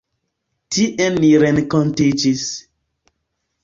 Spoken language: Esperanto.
Tie ni renkontiĝis.